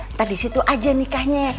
ntar disitu aja nikahnya